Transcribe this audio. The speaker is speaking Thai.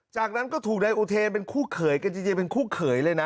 จากนั้นก็ถูกนายอุเทนเป็นคู่เขยกันจริงเป็นคู่เขยเลยนะ